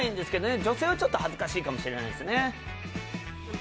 女性はちょっと恥ずかしいかもしれないですね。